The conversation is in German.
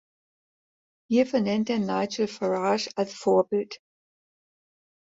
Hierfür nennt er Nigel Farage als Vorbild.